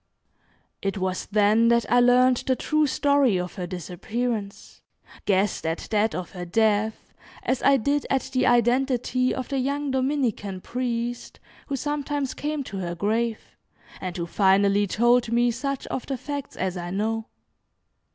It was then that I learned the true story of her disappearance, guessed at that of her death, as I did at the identity of the young Dominican priest, who sometimes came to her grave, and who finally told me such of the facts as I know.